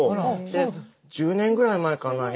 で１０年ぐらい前かな？